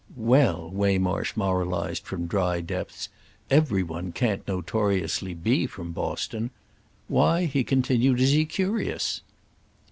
"Well," Waymarsh moralised from dry depths, "every one can't notoriously be from Boston. Why," he continued, "is he curious?"